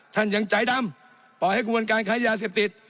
ท่านยังใจดำปล่อยให้กระบวนการค้ายาเสพติด